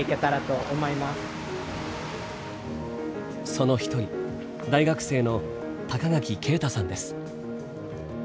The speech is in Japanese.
その一人大学生の垣慶太さんです。